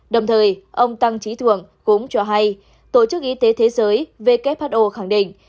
đồng thời ông tăng trí thường cũng cho hay tổ chức y tế thế giới who khẳng định